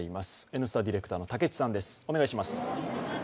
「Ｎスタ」ディレクターの武智さんです。